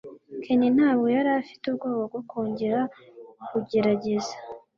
Ken ntabwo yari afite ubwoba bwo kongera kugerageza.